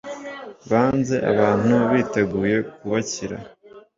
basanze abantu biteguye kubakira.